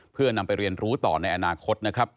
เพื่อนำไปเรียนรู้ต่อในอนาคตนะครับ